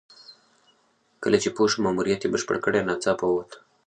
کله چې پوه شو ماموریت یې بشپړ کړی ناڅاپه ووت.